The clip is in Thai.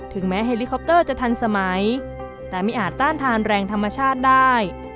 แม้เฮลิคอปเตอร์จะทันสมัยแต่ไม่อาจต้านทานแรงธรรมชาติได้